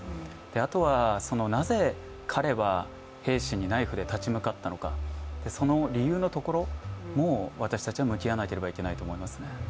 あとは、なぜ、彼は兵士にナイフで立ち向かったのか、その理由のところも私たちは向き合わなければいけないと思いますね。